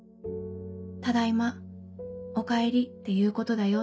『ただいま』『おかえり』って言うことだよ」